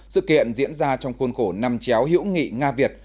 sự kiện diễn ra trong khuôn khổ năm chéo hữu nghị nga việt